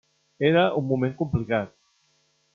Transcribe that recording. Era un moment complicat.